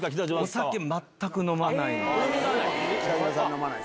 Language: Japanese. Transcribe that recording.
お酒全く飲まないんで。